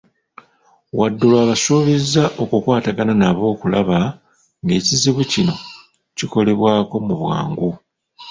Wadulu abasuubizza okukwatagana n'ab okulaba ng'ekizibu kino kikolebwako mu bwangu.